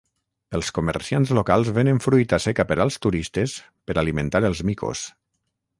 Els comerciants locals venen fruita seca per als turistes per alimentar els micos.